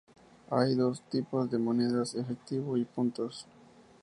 Hay dos tipos de monedas: efectivo y puntos.